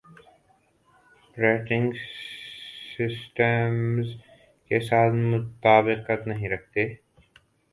پریٹنگ systems کے ساتھ مطابقت نہیں رکھتے